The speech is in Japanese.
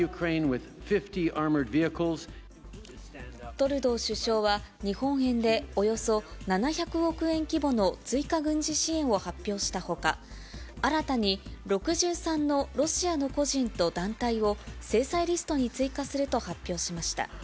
トルドー首相は日本円でおよそ７００億円規模の追加軍事支援を発表したほか、新たに６３のロシアの個人と団体を制裁リストに追加すると発表しました。